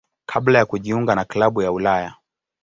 kabla ya kujiunga na klabu ya Ulaya.